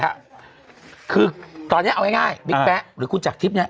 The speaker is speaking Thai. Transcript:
ครับคือตอนเนี้ยเอาง่ายง่ายบิ๊กแป๊ะหรือคุณจากทริปเนี้ย